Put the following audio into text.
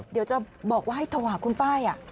เดี๋ยวจะบอกว่าให้โทรหาคุณป้าย